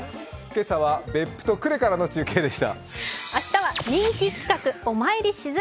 今朝は別府と呉からの中継でした。